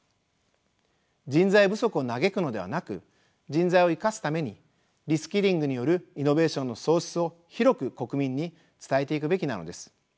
人材不足を嘆くのではなく人材を生かすためにリスキリングによるイノベーションの創出を広く国民に伝えていくべきなのです。